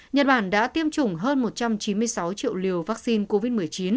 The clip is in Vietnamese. nhật bản đã tiêm chủng hơn một trăm chín mươi sáu triệu liều vaccine covid một mươi chín